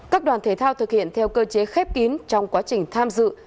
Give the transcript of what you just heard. các đoàn thể thao thực hiện theo cơ chế khép kín trong quá trình tham dự